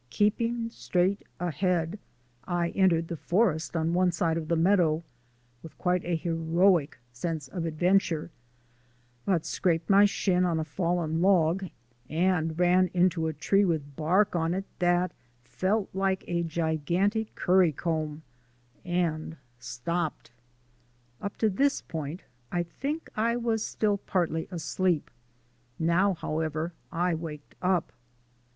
KEEPING STRAIGHT AHEAD, I entered the forest on one side of the meadow (with quite a heroic sense of adventure), but scraped my shin on a fallen log and ran into a tree with bark on it that felt like a gigantic currycomb and stopped! Up to this point I think I was still partly asleep. Now, however, I waked up.